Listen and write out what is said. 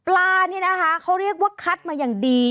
เนี่ยนะคะเขาเรียกว่าคัดมาอย่างดี